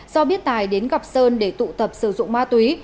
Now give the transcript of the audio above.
do biết tài đến gặp sơn để tụ tập sử dụng ma túy